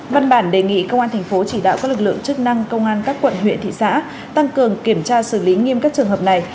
văn bản đề nghị công an thành phố chỉ đạo các lực lượng chức năng công an các quận huyện thị xã tăng cường kiểm tra xử lý nghiêm các trường hợp này